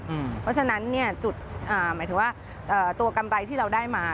เพราะฉะนั้นจุดหมายถึงว่าตัวกำไรที่เราได้มา